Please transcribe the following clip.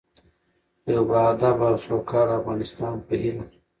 د یو باادبه او سوکاله افغانستان په هیله.